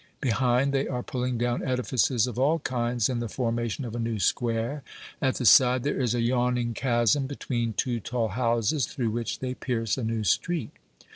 Behind they are pulling down edifices of all kinds in the formation of a new square. At the side there is a yawning chasm between two tall houses, through which they pierce a new street.